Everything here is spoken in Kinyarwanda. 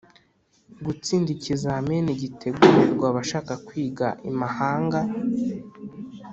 Gutsinda ikizamini gitegurirwa abashaka kwiga imahanga.